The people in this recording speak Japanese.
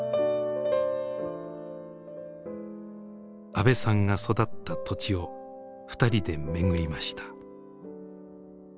阿部さんが育った土地をふたりで巡りました。